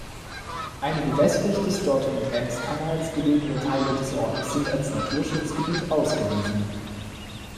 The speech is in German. Einige westlich des Dortmund-Ems-Kanals gelegene Teile des Ortes sind als Naturschutzgebiet ausgewiesen.